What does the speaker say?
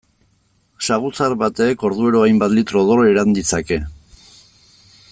Saguzar batek orduero hainbat litro odol edan ditzake.